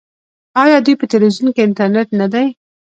آیا دوی په تلویزیون او انټرنیټ کې نه دي؟